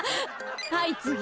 はいつぎ。